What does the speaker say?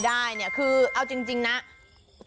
อันนั้นไง